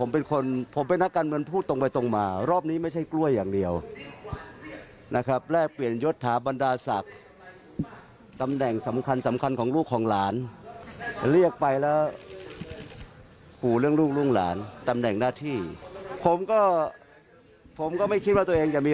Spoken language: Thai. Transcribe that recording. เพราะว่าตัวเองจะมีราคาเยอะขนาดนี้นะปั่นหุ้นได้